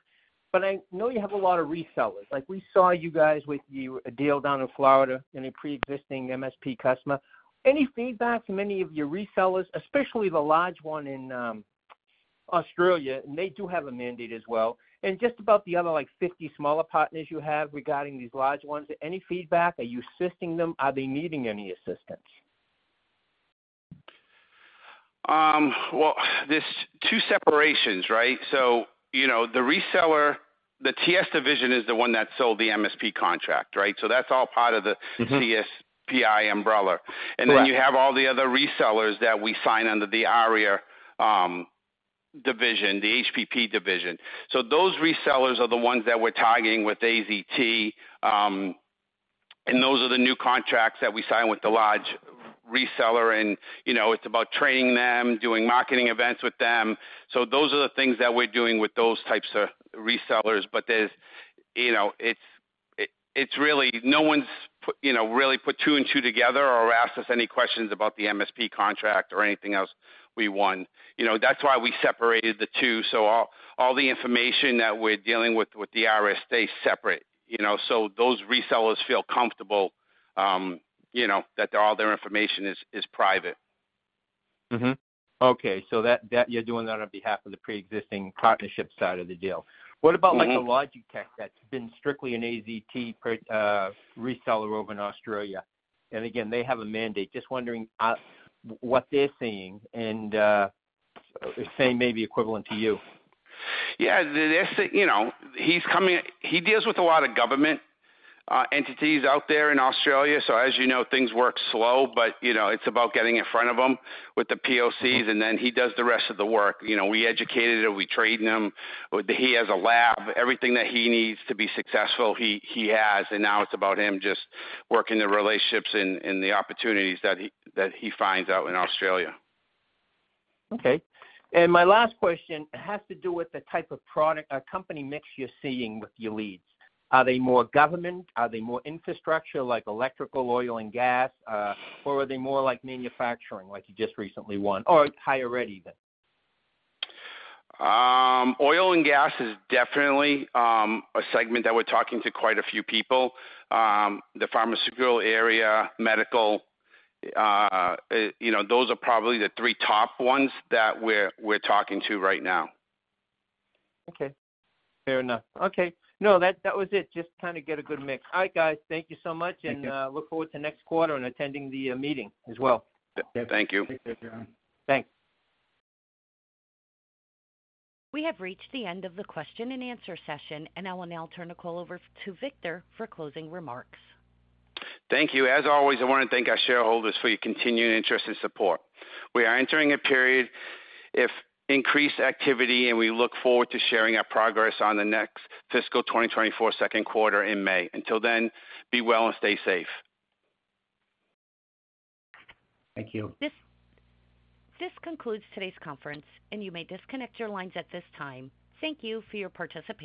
but I know you have a lot of resellers. Like, we saw you guys with you, a deal down in Florida and a preexisting MSP customer. Any feedback from any of your resellers, especially the large one in Australia? And they do have a mandate as well. And just about the other, like, 50 smaller partners you have regarding these large ones, any feedback? Are you assisting them? Are they needing any assistance? Well, there's two separations, right? So, you know, the reseller, the TS division is the one that sold the MSP contract, right? So that's all part of the- Mm-hmm. CSPi umbrella. Right. Then you have all the other resellers that we sign under the ARIA, division, the HPP division. So those resellers are the ones that we're targeting with AZT. And those are the new contracts that we sign with the large reseller and, you know, it's about training them, doing marketing events with them. So those are the things that we're doing with those types of resellers. But there's, you know, it's really... No one's put, you know, really put two and two together or asked us any questions about the MSP contract or anything else we won. You know, that's why we separated the two. So all the information that we're dealing with the IRS stays separate, you know, so those resellers feel comfortable, you know, that all their information is private. Mm-hmm. Okay, so that you're doing that on behalf of the preexisting partnership side of the deal. Mm-hmm. What about, like, a Logi-Tech that's been strictly an AZT reseller over in Australia? And again, they have a mandate. Just wondering out, what they're seeing and, same may be equivalent to you. Yeah, they're, you know, he's coming. He deals with a lot of government entities out there in Australia. So as you know, things work slow, but, you know, it's about getting in front of them with the POCs, and then he does the rest of the work. You know, we educated him, we trained him, he has a lab. Everything that he needs to be successful, he has, and now it's about him just working the relationships and the opportunities that he finds out in Australia. Okay. And my last question has to do with the type of product, company mix you're seeing with your leads. Are they more government? Are they more infrastructure, like electrical, oil, and gas? Or are they more like manufacturing, like you just recently won, or higher ed, even? Oil and gas is definitely a segment that we're talking to quite a few people. The pharmaceutical area, medical, you know, those are probably the three top ones that we're talking to right now. Okay, fair enough. Okay. No, that, that was it. Just to kind of get a good mix. All right, guys, thank you so much- Thank you. and look forward to next quarter and attending the meeting as well. Thank you. Thanks. We have reached the end of the question and answer session, and I will now turn the call over to Victor for closing remarks. Thank you. As always, I want to thank our shareholders for your continued interest and support. We are entering a period of increased activity, and we look forward to sharing our progress on the next fiscal 2024 second quarter in May. Until then, be well and stay safe. Thank you. This concludes today's conference, and you may disconnect your lines at this time. Thank you for your participation.